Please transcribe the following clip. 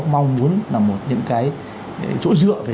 mong muốn là một những cái chỗ dựa về